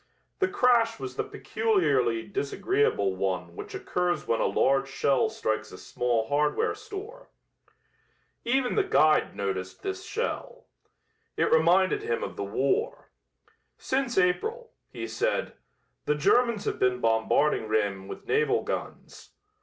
The crash was the peculiarly disagreeable one which occurs when a large shell strikes a small hardware store. Even the guide noticed this shell. It reminded him of the war. "Since April," he said, "the Germans have been bombarding Rheims with naval guns.